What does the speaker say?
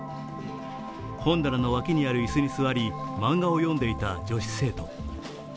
本棚の脇にある椅子に座り、漫画を読んでいた女子生徒。